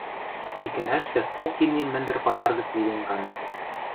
икӓнӓштӹ кок имним мӹндӹр пазар гӹц виден канден